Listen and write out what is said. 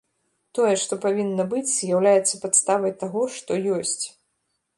Тое, што павінна быць, з'яўляецца падставай таго, што ёсць.